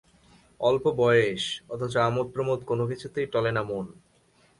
অল্প বয়েস, অথচ আমোদপ্রমোদ কোনো কিছুতেই টলে না মন।